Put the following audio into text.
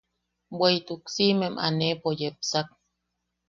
Bweʼituk siʼimem aneʼepo yepsak.